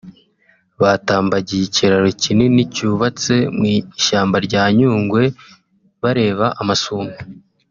Batambagiye ikiraro kinini cyubatse mu ishyamba rya Nyungwe bareba amasumo